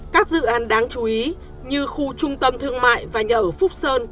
các dự án đáng chú ý như khu trung tâm thương mại và nhà ở phúc sơn